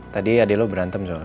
tadi adik lo berantem soalnya